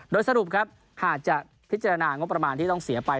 โดยสรุปครับหากจะพิจารณางบประมาณที่ต้องเสียไป